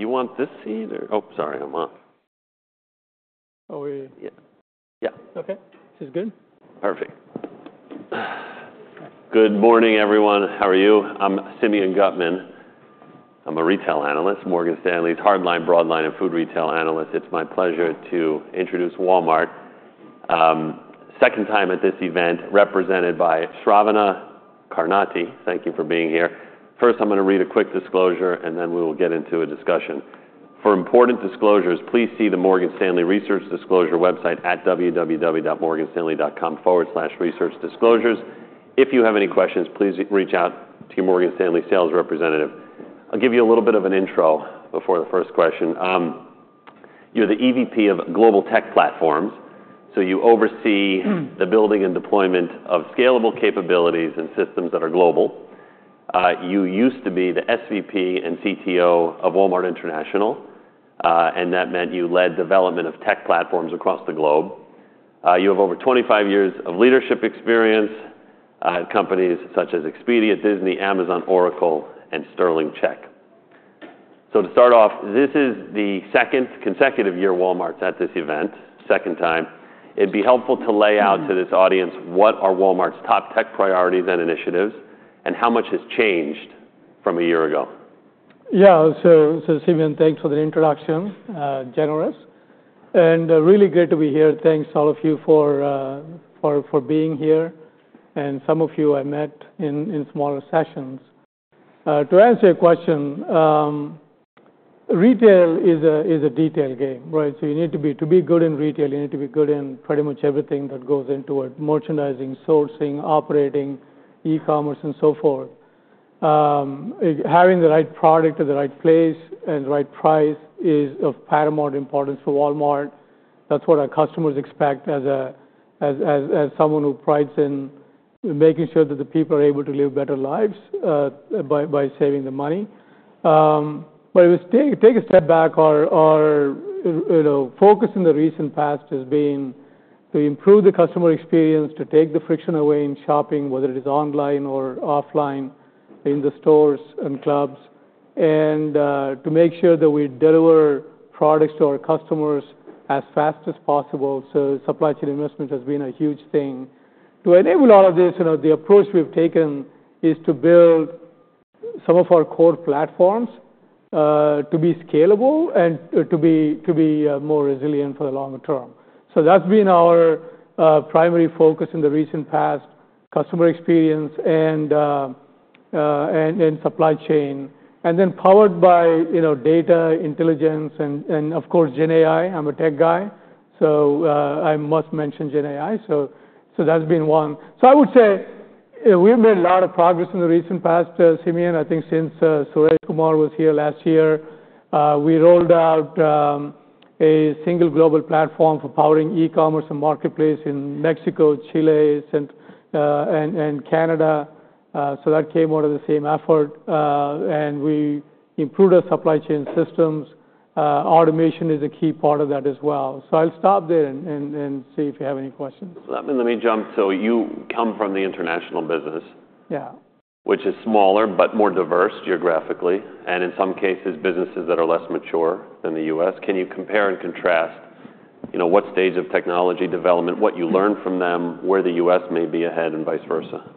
Oh, sorry, I'm off. Oh, wait. Yeah. Okay. This is good? Perfect. Good morning, everyone. How are you? I'm Simeon Gutman. I'm a retail analyst, Morgan Stanley's hard line, broad line, and food retail analyst. It's my pleasure to introduce Walmart. Second time at this event, represented by Sravana Karnati. Thank you for being here. First, I'm going to read a quick disclosure, and then we will get into a discussion. For important disclosures, please see the Morgan Stanley Research Disclosure website at www.morganstanley.com/researchdisclosures. If you have any questions, please reach out to your Morgan Stanley sales representative. I'll give you a little bit of an intro before the first question. You're the EVP of Global Tech Platforms, so you oversee the building and deployment of scalable capabilities and systems that are global. You used to be the SVP and CTO of Walmart International, and that meant you led development of tech platforms across the globe. You have over 25 years of leadership experience at companies such as Expedia, Disney, Amazon, Oracle, and Sterling Check. So to start off, this is the second consecutive year Walmart's at this event, second time. It'd be helpful to lay out to this audience what are Walmart's top tech priorities and initiatives, and how much has changed from a year ago? Yeah. So, Simeon, thanks for the introduction. Generous and really great to be here. Thanks, all of you, for being here, and some of you I met in smaller sessions. To answer your question, retail is a detail game, right? So you need to be—to be good in retail, you need to be good in pretty much everything that goes into it: merchandising, sourcing, operating, e-commerce, and so forth. Having the right product at the right place and the right price is of paramount importance for Walmart. That's what our customers expect as someone who prides in making sure that the people are able to live better lives by saving the money. But if we take a step back, our focus in the recent past has been to improve the customer experience, to take the friction away in shopping, whether it is online or offline, in the stores and clubs, and to make sure that we deliver products to our customers as fast as possible. So supply chain investment has been a huge thing. To enable all of this, the approach we've taken is to build some of our core platforms to be scalable and to be more resilient for the longer term. So that's been our primary focus in the recent past: customer experience and supply chain. And then powered by data intelligence and, of course, GenAI. I'm a tech guy, so I must mention GenAI. So that's been one. So I would say we've made a lot of progress in the recent past, Simeon. I think since Suresh Kumar was here last year, we rolled out a single global platform for powering e-commerce and marketplace in Mexico, Chile, and Canada. So that came out of the same effort. And we improved our supply chain systems. Automation is a key part of that as well. So I'll stop there and see if you have any questions. Let me jump. So you come from the international business, which is smaller but more diverse geographically, and in some cases, businesses that are less mature than the U.S. Can you compare and contrast what stage of technology development, what you learned from them, where the U.S. may be ahead, and vice versa?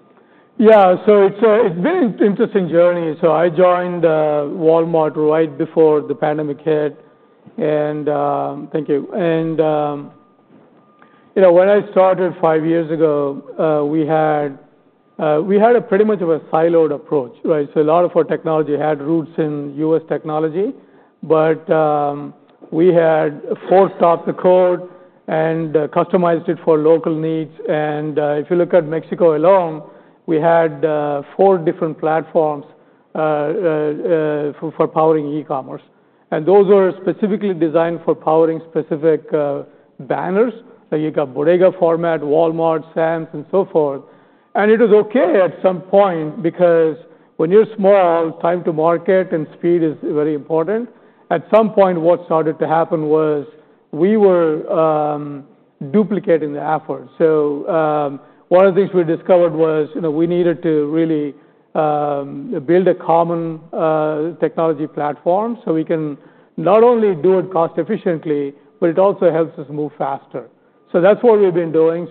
Yeah. So it's been an interesting journey. So I joined Walmart right before the pandemic hit. And thank you. And when I started five years ago, we had pretty much a siloed approach, right? So a lot of our technology had roots in U.S. technology, but we had forked off the code and customized it for local needs. And if you look at Mexico alone, we had four different platforms for powering e-commerce. And those were specifically designed for powering specific banners, like you got Bodega format, Walmart, Sam's, and so forth. And it was okay at some point because when you're small, time to market and speed is very important. At some point, what started to happen was we were duplicating the effort. One of the things we discovered was we needed to really build a common technology platform so we can not only do it cost-efficiently, but it also helps us move faster. That's what we've been doing.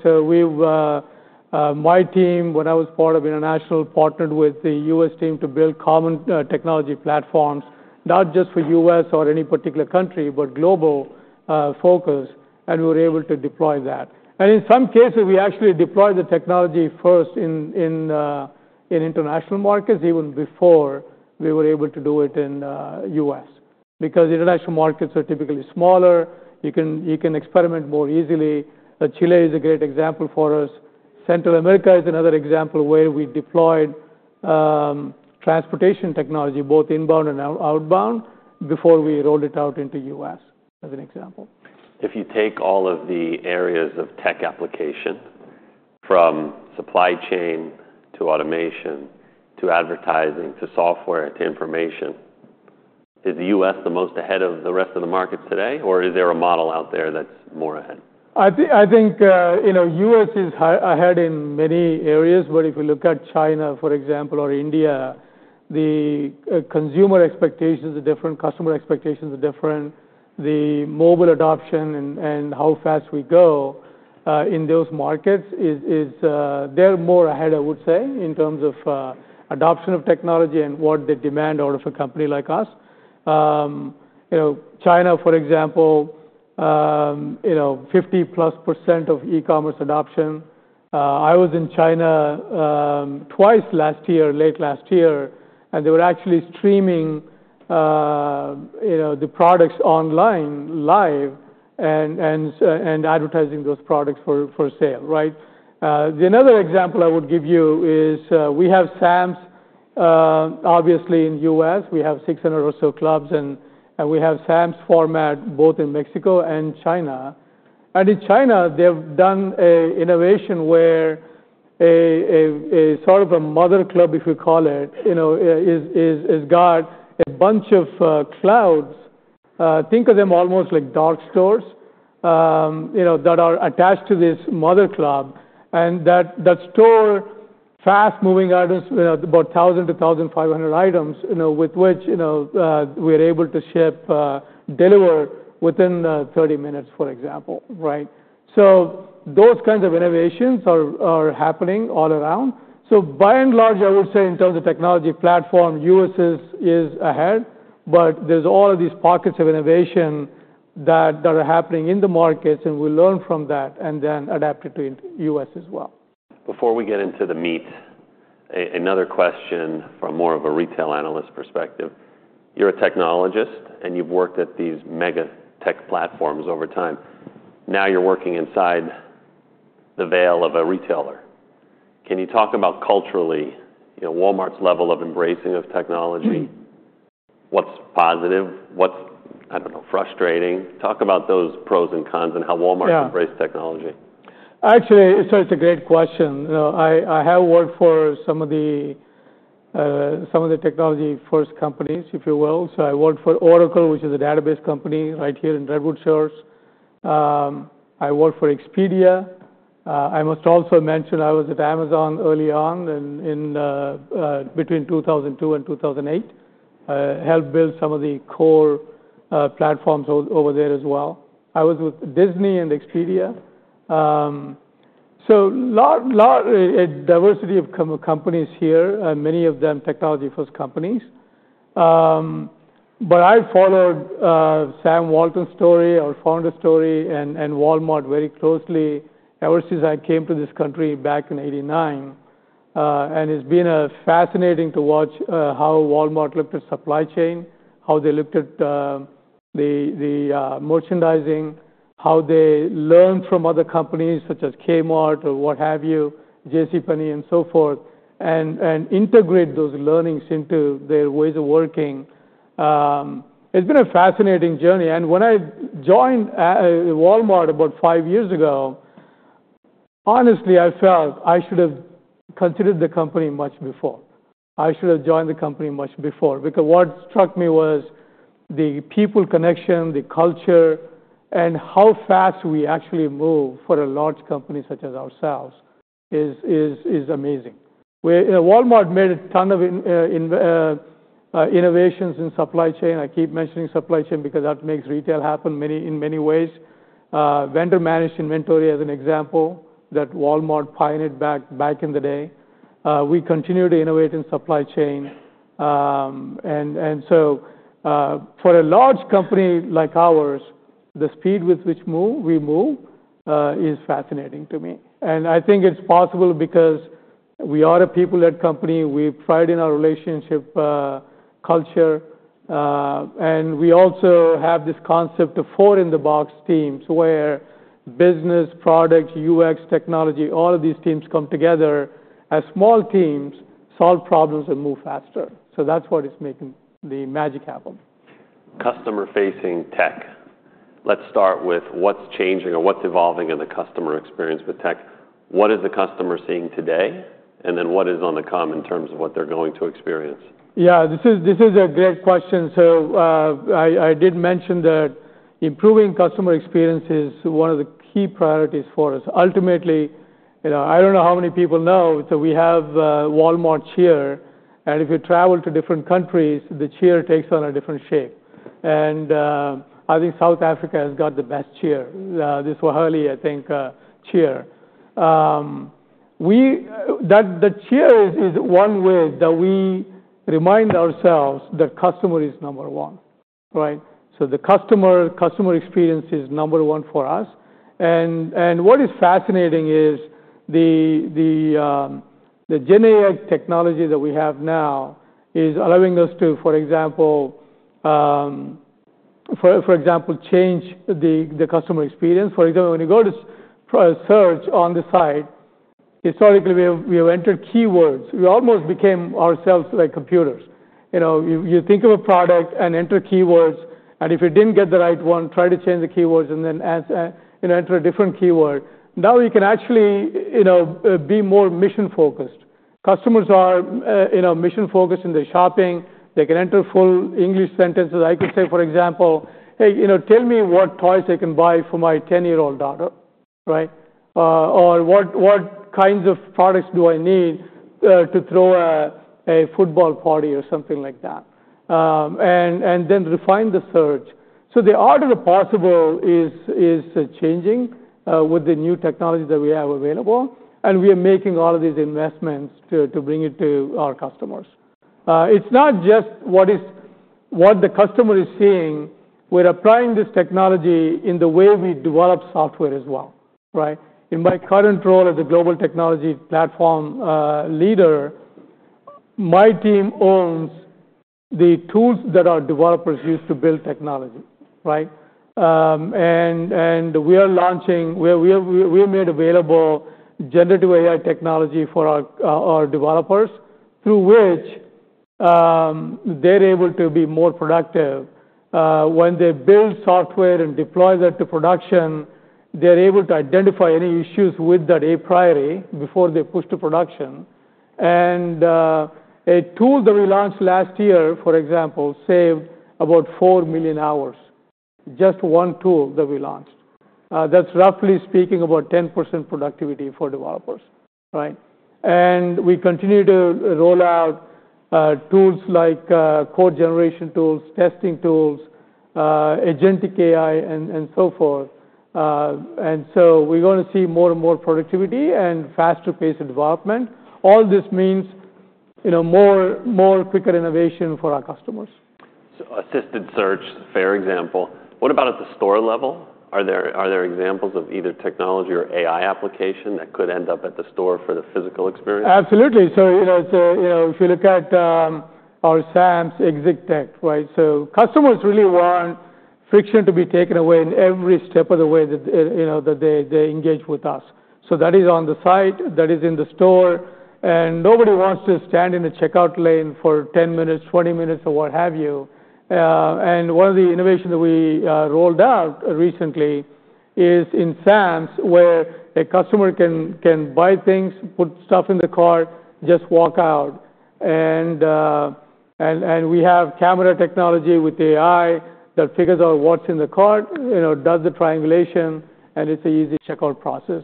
My team, when I was part of international, partnered with the US team to build common technology platforms, not just for US or any particular country, but global focus. We were able to deploy that. In some cases, we actually deployed the technology first in international markets, even before we were able to do it in the US because international markets are typically smaller. You can experiment more easily. Chile is a great example for us. Central America is another example where we deployed transportation technology, both inbound and outbound, before we rolled it out into the US, as an example. If you take all of the areas of tech application, from supply chain to automation to advertising to software to information, is the U.S. the most ahead of the rest of the market today, or is there a model out there that's more ahead? I think the U.S. is ahead in many areas. But if you look at China, for example, or India, the consumer expectations are different, customer expectations are different. The mobile adoption and how fast we go in those markets, they're more ahead, I would say, in terms of adoption of technology and what they demand out of a company like us. China, for example, 50-plus% of e-commerce adoption. I was in China twice last year, late last year, and they were actually streaming the products online live and advertising those products for sale, right? Another example I would give you is we have Sam's, obviously, in the U.S. We have 600 or so clubs, and we have Sam's format both in Mexico and China. And in China, they've done an innovation where a sort of a mother club, if you call it, has got a bunch of clouds. Think of them almost like dark stores that are attached to this mother club. And that store, fast-moving items, about 1,000 to 1,500 items, with which we are able to ship, deliver within 30 minutes, for example, right? So those kinds of innovations are happening all around. So by and large, I would say in terms of technology platform, the U.S. is ahead. But there's all of these pockets of innovation that are happening in the markets, and we learn from that and then adapt it to the U.S. as well. Before we get into the meat, another question from more of a retail analyst perspective. You're a technologist, and you've worked at these mega tech platforms over time. Now you're working inside the veil of a retailer. Can you talk about culturally Walmart's level of embracing of technology? What's positive? What's, I don't know, frustrating? Talk about those pros and cons and how Walmart's embraced technology. Actually, so it's a great question. I have worked for some of the technology-first companies, if you will, so I worked for Oracle, which is a database company right here in Redwood Shores. I worked for Expedia. I must also mention I was at Amazon early on in between 2002 and 2008, helped build some of the core platforms over there as well. I was with Disney and Expedia. So a lot of diversity of companies here, many of them technology-first companies. But I followed Sam Walton's story, our founder's story, and Walmart very closely ever since I came to this country back in 1989, and it's been fascinating to watch how Walmart looked at supply chain, how they looked at the merchandising, how they learned from other companies such as Kmart or what have you, J. C. Penney, and so forth, and integrate those learnings into their ways of working. It's been a fascinating journey and when I joined Walmart about five years ago, honestly, I felt I should have considered the company much before. I should have joined the company much before because what struck me was the people connection, the culture, and how fast we actually move for a large company such as ourselves is amazing. Walmart made a ton of innovations in supply chain. I keep mentioning supply chain because that makes retail happen in many ways. Vendor-managed inventory, as an example, that Walmart pioneered back in the day. We continue to innovate in supply chain and so for a large company like ours, the speed with which we move is fascinating to me and I think it's possible because we are a people-led company. We pride in our relationship culture. We also have this concept of four-in-the-box teams where business, product, UX, technology, all of these teams come together as small teams, solve problems, and move faster. That's what is making the magic happen. Customer-facing tech. Let's start with what's changing or what's evolving in the customer experience with tech. What is the customer seeing today, and then what's coming in terms of what they're going to experience? Yeah. This is a great question. So I did mention that improving customer experience is one of the key priorities for us. Ultimately, I don't know how many people know, so we have Walmart Cheer. And if you travel to different countries, the chair takes on a different shape. And I think South Africa has got the best chair, this Wally, I think, chair. The chair is one way that we remind ourselves that customer is number one, right? So the customer experience is number one for us. And what is fascinating is the GenAI technology that we have now is allowing us to, for example, change the customer experience. For example, when you go to search on the site, historically, we have entered keywords. We almost became ourselves like computers. You think of a product and enter keywords. And if you didn't get the right one, try to change the keywords and then enter a different keyword. Now you can actually be more mission-focused. Customers are mission-focused in their shopping. They can enter full English sentences. I could say, for example, "Hey, tell me what toys I can buy for my 10-year-old daughter," right? Or, "What kinds of products do I need to throw a football party?" or something like that, and then refine the search. So the order of possible is changing with the new technology that we have available. And we are making all of these investments to bring it to our customers. It's not just what the customer is seeing. We're applying this technology in the way we develop software as well, right? In my current role as a global technology platform leader, my team owns the tools that our developers use to build technology, right, and we have made available generative AI technology for our developers through which they're able to be more productive. When they build software and deploy that to production, they're able to identify any issues with that a priori before they push to production, and a tool that we launched last year, for example, saved about four million hours, just one tool that we launched. That's roughly speaking about 10% productivity for developers, right, and we continue to roll out tools like code generation tools, testing tools, agentic AI, and so forth, and so we're going to see more and more productivity and faster-paced development. All this means more quicker innovation for our customers. Assisted search, fair example. What about at the store level? Are there examples of either technology or AI application that could end up at the store for the physical experience? Absolutely. So if you look at our Sam's exit tech, right? So customers really want friction to be taken away in every step of the way that they engage with us. So that is on the site. That is in the store. And nobody wants to stand in the checkout lane for 10 minutes, 20 minutes, or what have you. And one of the innovations that we rolled out recently is in Sam's, where a customer can buy things, put stuff in the cart, just walk out. And we have camera technology with AI that figures out what's in the cart, does the triangulation, and it's an easy checkout process.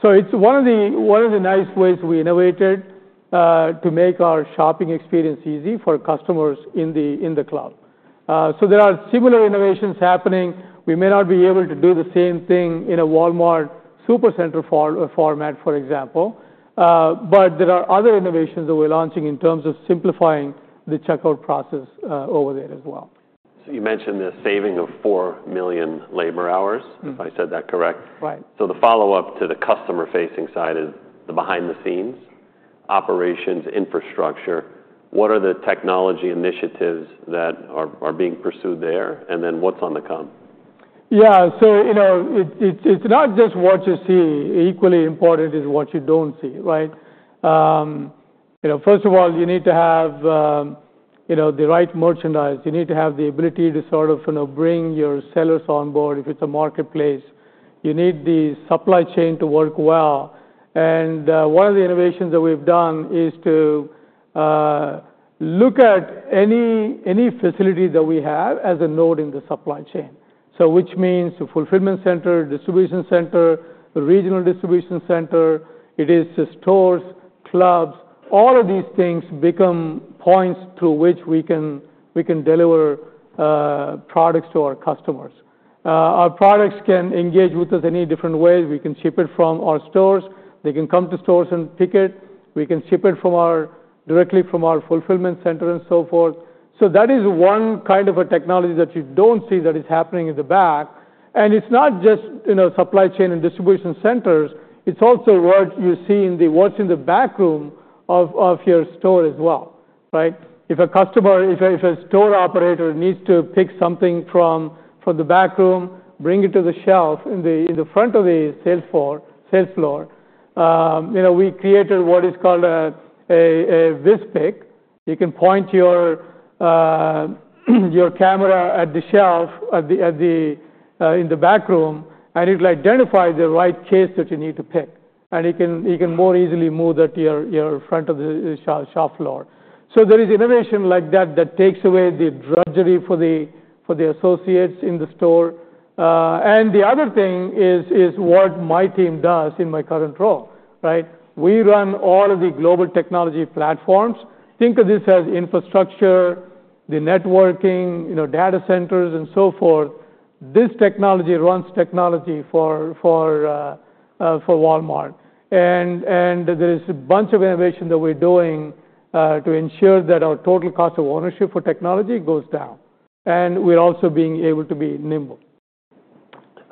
So it's one of the nice ways we innovated to make our shopping experience easy for customers in the club. So there are similar innovations happening. We may not be able to do the same thing in a Walmart Supercenter format, for example. But there are other innovations that we're launching in terms of simplifying the checkout process over there as well. So you mentioned the saving of four million labor hours, if I said that correct? Right. So the follow-up to the customer-facing side is the behind-the-scenes, operations, infrastructure. What are the technology initiatives that are being pursued there? And then what's on the come? Yeah. So it's not just what you see. Equally important is what you don't see, right? First of all, you need to have the right merchandise. You need to have the ability to sort of bring your sellers on board if it's a marketplace. You need the supply chain to work well. And one of the innovations that we've done is to look at any facility that we have as a node in the supply chain, which means a fulfillment center, distribution center, regional distribution center. It is stores, clubs. All of these things become points through which we can deliver products to our customers. Our products can engage with us in any different way. We can ship it from our stores. They can come to stores and pick it. We can ship it directly from our fulfillment center and so forth. That is one kind of a technology that you don't see that is happening in the back. And it's not just supply chain and distribution centers. It's also what you see in the back room of your store as well, right? If a customer, if a store operator needs to pick something from the back room, bring it to the shelf in the front of the sales floor, we created what is called a Vizpick. You can point your camera at the shelf in the back room, and it'll identify the right case that you need to pick. And you can more easily move that to your front of the sales floor. So there is innovation like that that takes away the drudgery for the associates in the store. And the other thing is what my team does in my current role, right? We run all of the global technology platforms. Think of this as infrastructure, the networking, data centers, and so forth. This technology runs technology for Walmart. And there is a bunch of innovation that we're doing to ensure that our total cost of ownership for technology goes down. And we're also being able to be nimble.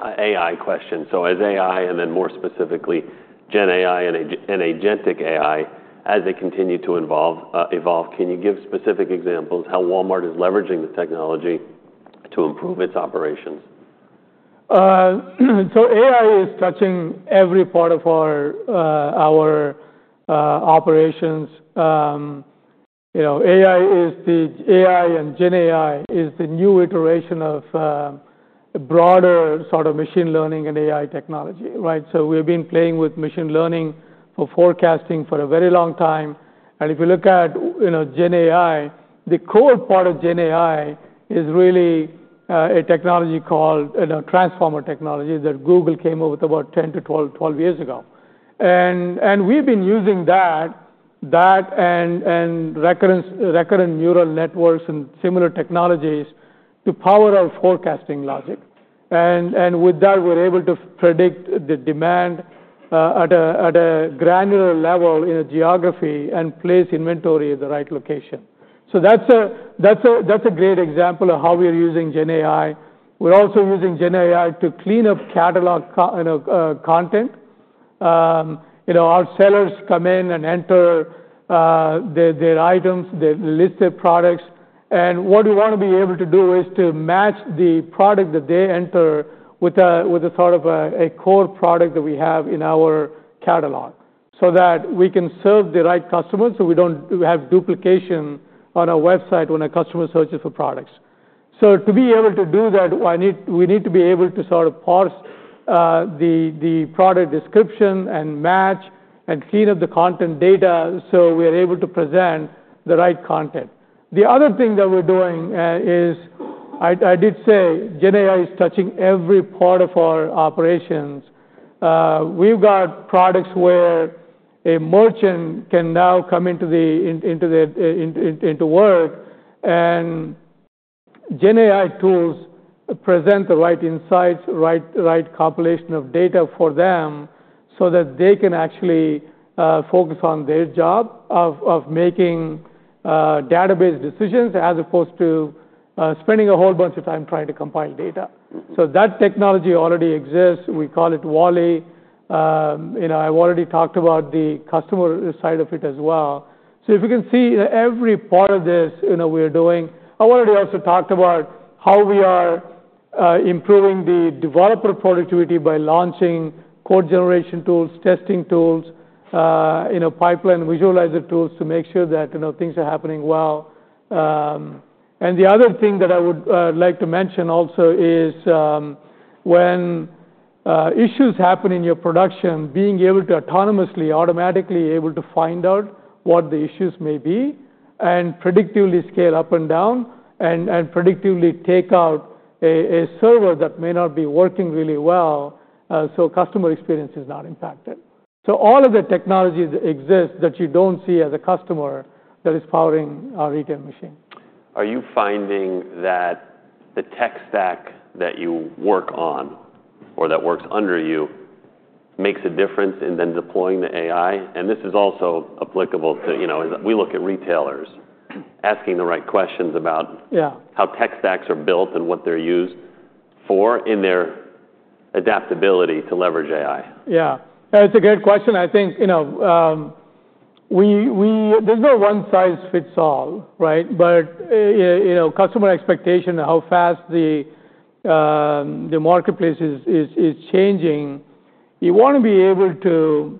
AI question. So as AI, and then more specifically, GenAI and Agentic AI, as they continue to evolve, can you give specific examples how Walmart is leveraging the technology to improve its operations? So AI is touching every part of our operations. AI and GenAI is the new iteration of broader sort of machine learning and AI technology, right? So we've been playing with machine learning for forecasting for a very long time. And if you look at GenAI, the core part of GenAI is really a technology called transformer technology that Google came up with about 10-12 years ago. And we've been using that and recurrent neural networks and similar technologies to power our forecasting logic. And with that, we're able to predict the demand at a granular level in a geography and place inventory at the right location. So that's a great example of how we are using GenAI. We're also using GenAI to clean up catalog content. Our sellers come in and enter their items. They list their products. What we want to be able to do is to match the product that they enter with a sort of a core product that we have in our catalog so that we can serve the right customers so we don't have duplication on our website when a customer searches for products. To be able to do that, we need to be able to sort of parse the product description and match and clean up the content data so we are able to present the right content. The other thing that we're doing is I did say GenAI is touching every part of our operations. We've got products where a merchant can now come into work. GenAI tools present the right insights, right compilation of data for them so that they can actually focus on their job of making database decisions as opposed to spending a whole bunch of time trying to compile data. That technology already exists. We call it Wally. I've already talked about the customer side of it as well. If you can see every part of this we are doing, I've already also talked about how we are improving the developer productivity by launching code generation tools, testing tools, pipeline visualizer tools to make sure that things are happening well. And the other thing that I would like to mention also is when issues happen in your production, being able to autonomously, automatically able to find out what the issues may be and predictably scale up and down and predictably take out a server that may not be working really well so customer experience is not impacted. So all of the technologies exist that you don't see as a customer that is powering our retail machine. Are you finding that the tech stack that you work on or that works under you makes a difference in then deploying the AI? And this is also applicable to we look at retailers asking the right questions about how tech stacks are built and what they're used for in their adaptability to leverage AI. Yeah. That's a great question. I think there's no one size fits all, right? But customer expectation, how fast the marketplace is changing, you want to be able to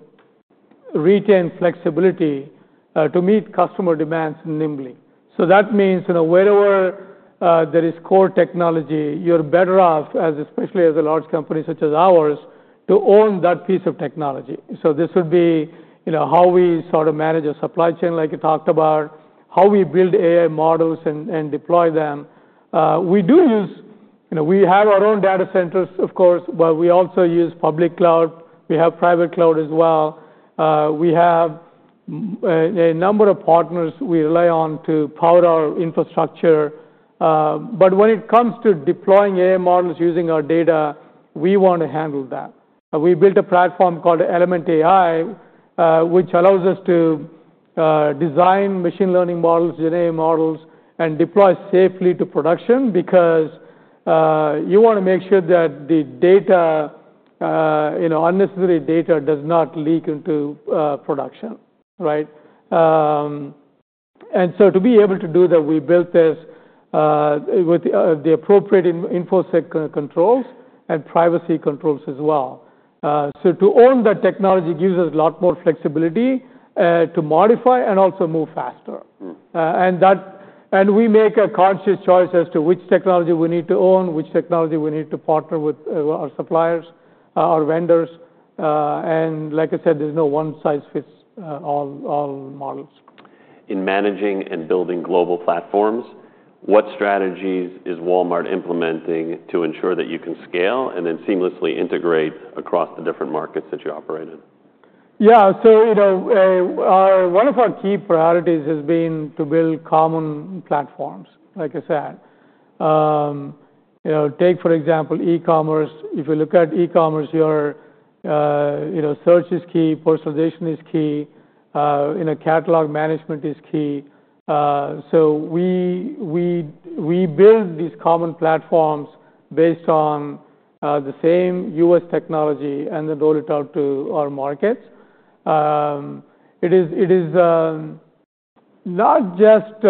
retain flexibility to meet customer demands nimbly. So that means wherever there is core technology, you're better off, especially as a large company such as ours, to own that piece of technology, so this would be how we sort of manage a supply chain, like you talked about, how we build AI models and deploy them. We do use. We have our own data centers, of course, but we also use public cloud. We have private cloud as well. We have a number of partners we rely on to power our infrastructure, but when it comes to deploying AI models using our data, we want to handle that. We built a platform called Element AI, which allows us to design machine learning models, GenAI models, and deploy safely to production because you want to make sure that the unnecessary data does not leak into production, right? And so to be able to do that, we built this with the appropriate infosec controls and privacy controls as well. So to own that technology gives us a lot more flexibility to modify and also move faster. And we make a conscious choice as to which technology we need to own, which technology we need to partner with our suppliers, our vendors. And like I said, there's no one size fits all models. In managing and building global platforms, what strategies is Walmart implementing to ensure that you can scale and then seamlessly integrate across the different markets that you operate in? Yeah. So one of our key priorities has been to build common platforms, like I said. Take, for example, e-commerce. If you look at e-commerce, your search is key. Personalization is key. Catalog management is key. So we build these common platforms based on the same U.S. technology and then roll it out to our markets. It is not just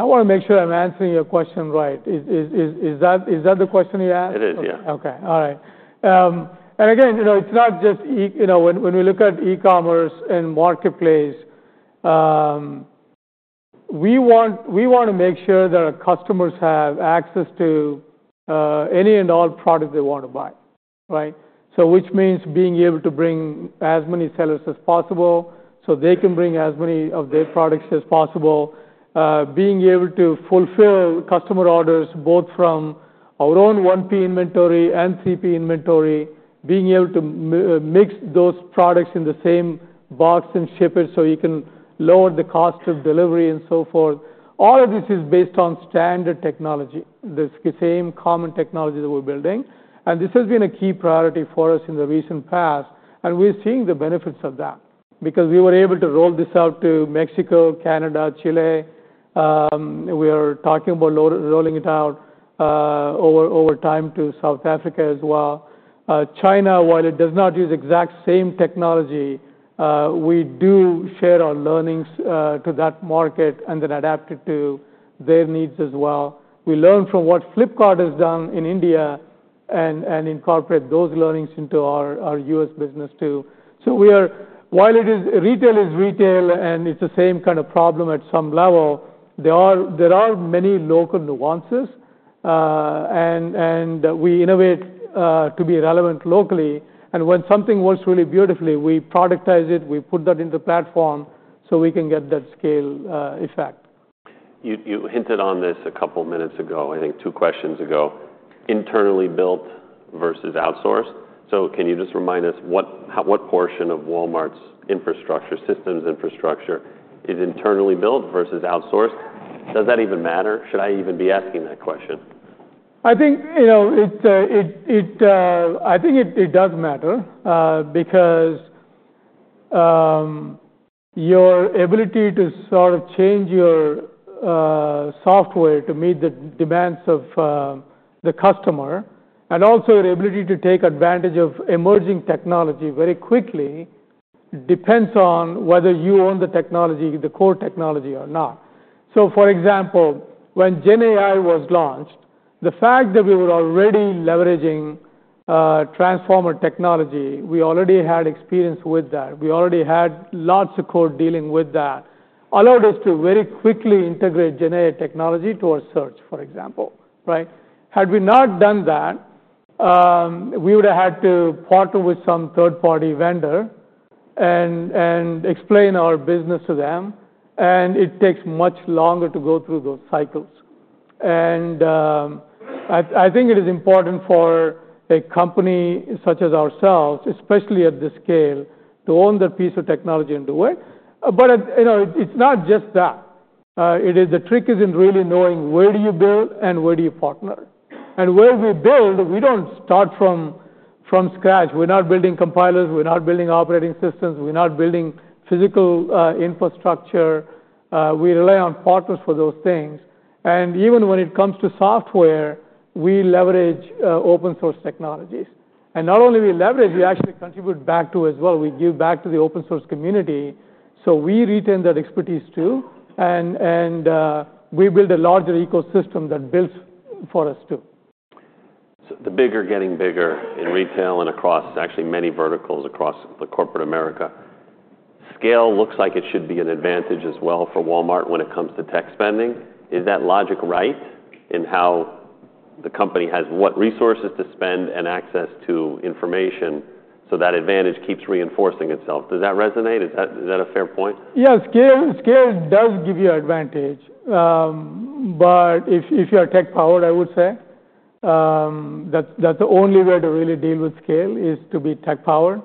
I want to make sure I'm answering your question right. Is that the question you asked? It is, yeah. Okay. All right. Again, it's not just when we look at e-commerce and marketplace. We want to make sure that our customers have access to any and all products they want to buy, right? So which means being able to bring as many sellers as possible so they can bring as many of their products as possible. Being able to fulfill customer orders both from our own 1P inventory and 3P inventory. Being able to mix those products in the same box and ship it so you can lower the cost of delivery and so forth. All of this is based on standard technology, the same common technology that we're building. This has been a key priority for us in the recent past. We're seeing the benefits of that because we were able to roll this out to Mexico, Canada, Chile. We are talking about rolling it out over time to South Africa as well. China, while it does not use the exact same technology, we do share our learnings to that market and then adapt it to their needs as well. We learn from what Flipkart has done in India and incorporate those learnings into our U.S. business too. So while retail is retail and it's the same kind of problem at some level, there are many local nuances. And we innovate to be relevant locally. And when something works really beautifully, we productize it. We put that into the platform so we can get that scale effect. You hinted on this a couple of minutes ago. I think two questions ago, internally built versus outsourced. So can you just remind us what portion of Walmart's infrastructure, systems infrastructure, is internally built versus outsourced? Does that even matter? Should I even be asking that question? I think it does matter because your ability to sort of change your software to meet the demands of the customer and also your ability to take advantage of emerging technology very quickly depends on whether you own the technology, the core technology, or not. So for example, when GenAI was launched, the fact that we were already leveraging transformer technology, we already had experience with that. We already had lots of code dealing with that, allowed us to very quickly integrate GenAI technology to our search, for example, right? Had we not done that, we would have had to partner with some third-party vendor and explain our business to them. And it takes much longer to go through those cycles. And I think it is important for a company such as ourselves, especially at this scale, to own their piece of technology and do it. But it's not just that. The trick is in really knowing where do you build and where do you partner. And where we build, we don't start from scratch. We're not building compilers. We're not building operating systems. We're not building physical infrastructure. We rely on partners for those things. And even when it comes to software, we leverage open-source technologies. And not only we leverage, we actually contribute back to as well. We give back to the open-source community. So we retain that expertise too. And we build a larger ecosystem that builds for us too. So the bigger getting bigger in retail and across actually many verticals across corporate America. Scale looks like it should be an advantage as well for Walmart when it comes to tech spending. Is that logic right in how the company has what resources to spend and access to information so that advantage keeps reinforcing itself? Does that resonate? Is that a fair point? Yes. Scale does give you an advantage. But if you are tech-powered, I would say that the only way to really deal with scale is to be tech-powered.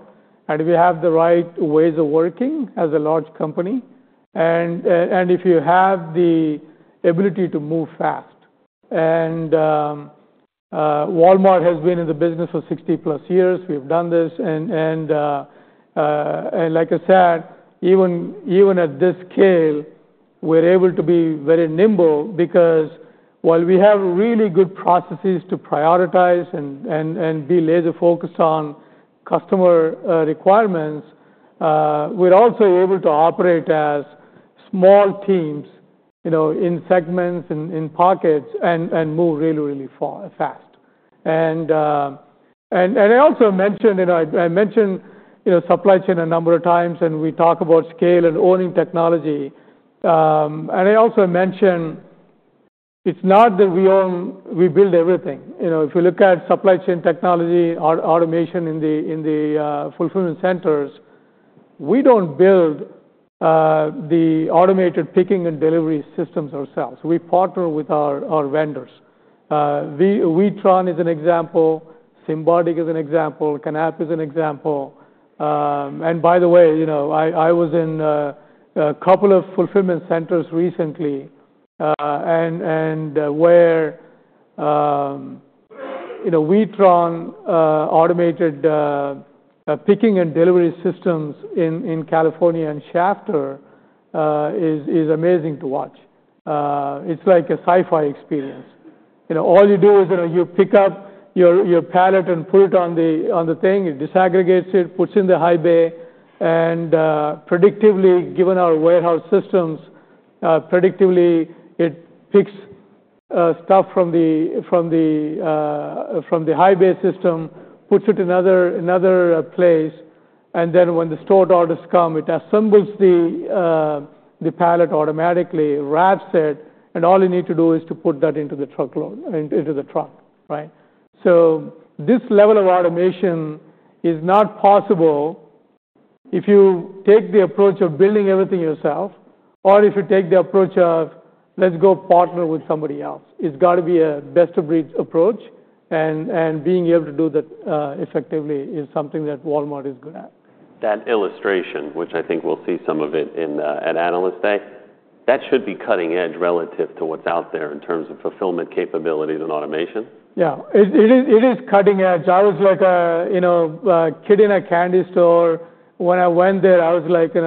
And we have the right ways of working as a large company. And if you have the ability to move fast, and Walmart has been in the business for 60-plus years, we've done this. And like I said, even at this scale, we're able to be very nimble because while we have really good processes to prioritize and be laser-focused on customer requirements, we're also able to operate as small teams in segments, in pockets, and move really, really fast. And I also mentioned supply chain a number of times, and we talk about scale and owning technology. And I also mentioned it's not that we build everything. If you look at supply chain technology, automation in the fulfillment centers, we don't build the automated picking and delivery systems ourselves. We partner with our vendors. Witron is an example. Symbotic is an example. Knapp is an example. And by the way, I was in a couple of fulfillment centers recently where Witron automated picking and delivery systems in California and Shafter is amazing to watch. It's like a sci-fi experience. All you do is you pick up your pallet and put it on the thing. It disaggregates it, puts it in the high bay, and predictably, given our warehouse systems, predictably, it picks stuff from the high bay system, puts it in another place. And then when the stored orders come, it assembles the pallet automatically, wraps it, and all you need to do is to put that into the truckload, into the truck, right? So this level of automation is not possible if you take the approach of building everything yourself or if you take the approach of, "Let's go partner with somebody else." It's got to be a best-of-breed approach. And being able to do that effectively is something that Walmart is good at. That illustration, which I think we'll see some of it at Analyst Day, that should be cutting edge relative to what's out there in terms of fulfillment capabilities and automation. Yeah. It is cutting edge. I was like a kid in a candy store. When I went there, I was like in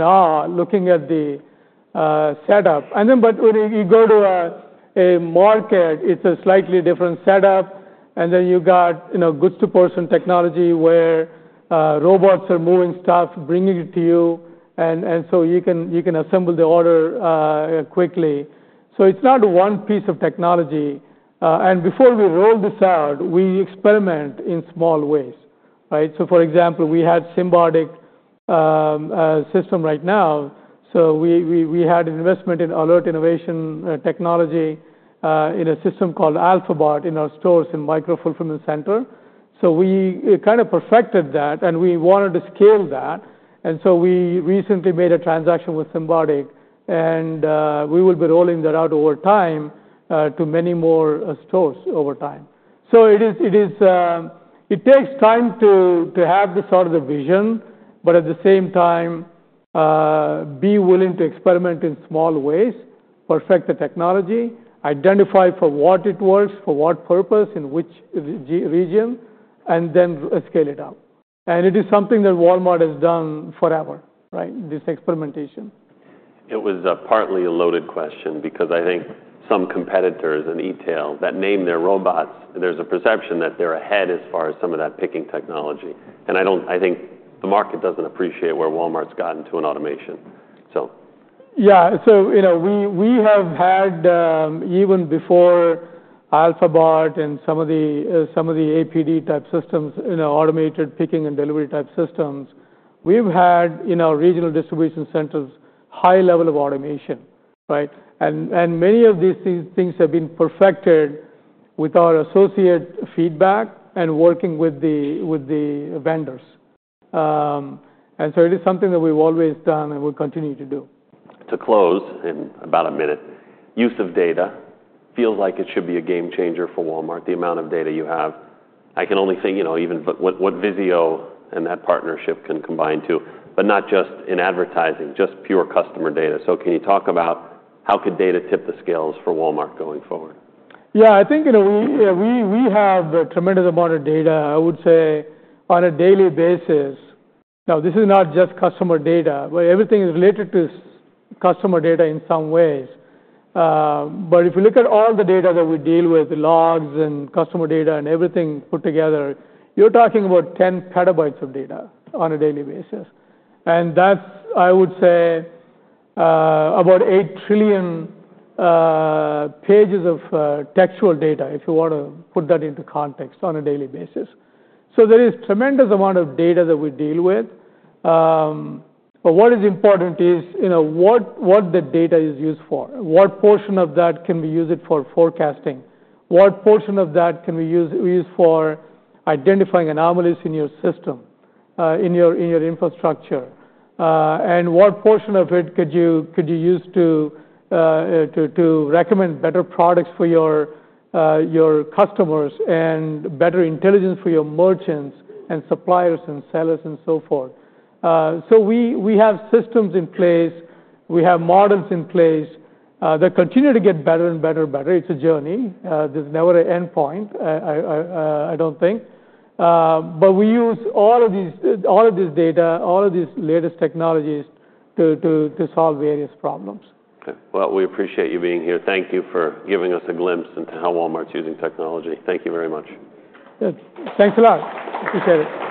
awe looking at the setup, but when you go to a market, it's a slightly different setup, and then you got goods-to-person technology where robots are moving stuff, bringing it to you, and so you can assemble the order quickly, so it's not one piece of technology, and before we roll this out, we experiment in small ways, right? For example, we had Symbotic system right now. So we had an investment in Alert Innovation technology in a system called Alphabot in our stores in Micro Fulfillment Center. So we kind of perfected that, and we wanted to scale that, and so we recently made a transaction with Symbotic, and we will be rolling that out over time to many more stores over time. So it takes time to have this sort of vision, but at the same time, be willing to experiment in small ways, perfect the technology, identify for what it works, for what purpose, in which region, and then scale it out. And it is something that Walmart has done forever, right, this experimentation. It was a partly loaded question because I think some competitors, and Alert, that name their robots, there's a perception that they're ahead as far as some of that picking technology. And I think the market doesn't appreciate where Walmart's gotten to in automation, so. Yeah. So we have had, even before Alphabot and some of the APD-type systems, automated picking and delivery-type systems, we've had in our regional distribution centers a high level of automation, right? And many of these things have been perfected with our associate feedback and working with the vendors. And so it is something that we've always done and we'll continue to do. To close in about a minute, use of data feels like it should be a game changer for Walmart, the amount of data you have. I can only think even what Vizio and that partnership can combine too, but not just in advertising, just pure customer data. So can you talk about how could data tip the scales for Walmart going forward? Yeah. I think we have a tremendous amount of data, I would say, on a daily basis. Now, this is not just customer data, but everything is related to customer data in some ways. But if you look at all the data that we deal with, the logs and customer data and everything put together, you're talking about 10 petabytes of data on a daily basis. And that's, I would say, about 8 trillion pages of textual data if you want to put that into context on a daily basis. So there is a tremendous amount of data that we deal with. But what is important is what the data is used for. What portion of that can we use for forecasting? What portion of that can we use for identifying anomalies in your system, in your infrastructure? What portion of it could you use to recommend better products for your customers and better intelligence for your merchants and suppliers and sellers and so forth? We have systems in place. We have models in place. They continue to get better and better and better. It's a journey. There's never an end point, I don't think. We use all of this data, all of these latest technologies to solve various problems. We appreciate you being here. Thank you for giving us a glimpse into how Walmart's using technology. Thank you very much. Thanks a lot. Appreciate it.